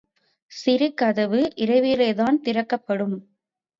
சிறு கதவு இரவிலேதான் திறக்கப்படும்.